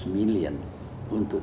dua ratus miliar untuk